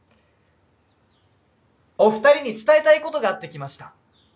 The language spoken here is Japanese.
お二人に伝えたい事があって来ました。